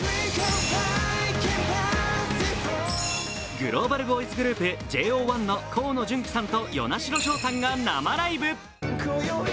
グローバルボーイズグループＪＯ１の河野純喜さんと與那城奨さんが生ライブ。